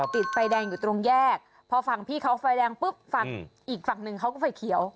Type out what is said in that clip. ติดไฟแดงอยู่ตรงแยกพอฝั่งพี่เขาไฟแดงปุ๊บฝั่งอีกฝั่งหนึ่งเขาก็ไฟเขียว